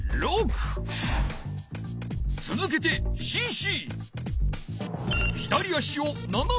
つづけてＣＣ。